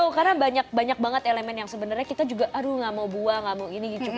no karena banyak banyak banget elemen yang sebenarnya kita juga aduh nggak mau buang nggak mau ini gitu